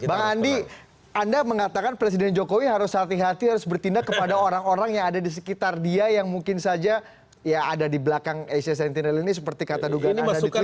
bang andi anda mengatakan presiden jokowi harus hati hati harus bertindak kepada orang orang yang ada di sekitar dia yang mungkin saja ya ada di belakang asia sentinel ini seperti kata dugaan anda di twit